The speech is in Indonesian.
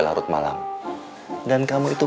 larut malam dan kamu itu